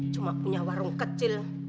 cuma punya warung kecil